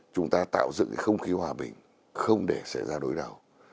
chúng ta tạo dựng cái không khí hòa bình không để xảy ra đối đảo